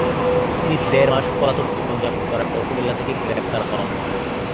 তিনি দেড় মাস পলাতক জীবন যাপন করার পর কুমিল্লা থেকে গ্রেপ্তার হন।